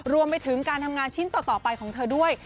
รวมไปถึงการทำงานชิ้นต่อไปของเธอด้วย